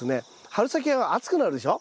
春先は暑くなるでしょ？